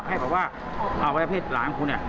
ให้บอกว่าเอาไว้เพศหลานคุณ